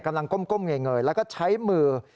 ก้มเงยแล้วก็ใช้มือ